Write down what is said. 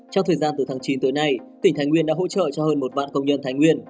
trong thời gian từ tháng chín tới nay tỉnh thái nguyên đã hỗ trợ cho hơn một vạn công nhân thái nguyên